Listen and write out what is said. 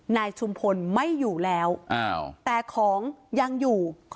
นายชุมพลไม่อยู่แล้วแต่ของยังอยู่